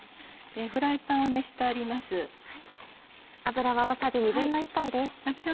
フライパンを熱してあります。